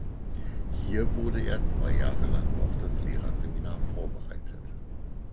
Hier wurde er zwei Jahre lang auf das Lehrerseminar vorbereitet.